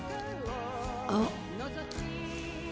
あっ。